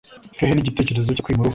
hehe n'igitekerezo cyo kwimura uhoraho